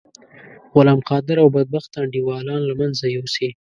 غلام قادر او بدبخته انډيوالان له منځه یوسی.